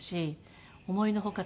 思いのほか